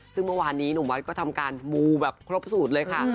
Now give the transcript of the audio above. ซึ่งเมื่อวานนี้หนุ่มวัดก็ทำการมูแบบครบสูตรเลยค่ะ